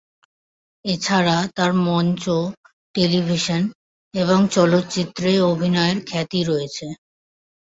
এছাড়া তার মঞ্চ, টেলিভিশন এবং চলচ্চিত্রে অভিনয়ের খ্যাতি রয়েছে।